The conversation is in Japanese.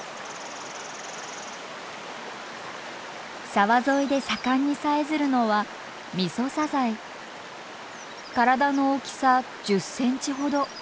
沢沿いで盛んにさえずるのは体の大きさ１０センチほど。